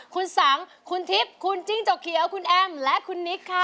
คุณสังคุณทิพย์คุณจิ้งจกเขียวคุณแอมและคุณนิกค่ะ